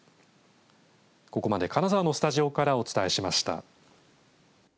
ここまで金沢のスタジオからお伝えしました。